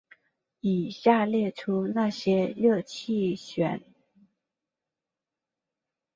以下列出那些热带气旋的资料。